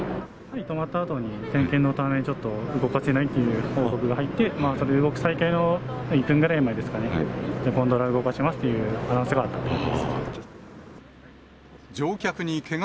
止まったあとに、点検のため、動かせないという報告が入って、それで動く再開の１分ぐらい前ですかね、ゴンドラ動かしますっていうアナウンスがあったんですけど。